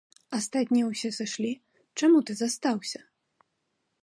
Астатнія ўсе сышлі, чаму ты застаўся?